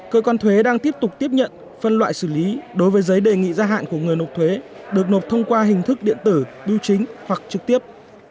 cơ quan thuế đang tiếp tục tiếp nhận phân loại xử lý đối với giấy đề nghị gia hạn của người nộp thuế được nộp thông qua hình thức điện tử bưu chính hoặc trực tiếp